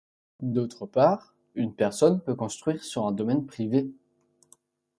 D'autre part une personne peut construire sur un domaine privé.